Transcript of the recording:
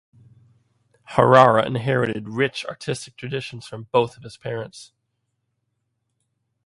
Herrera inherited rich artistic traditions from both of his parents.